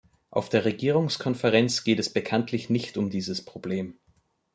Auf der Regierungskonferenz geht es bekanntlich nicht um dieses Problem.